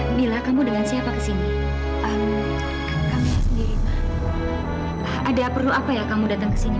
hai bila kamu dengan siapa kesini kamu sendiri ada perlu apa ya kamu datang ke sini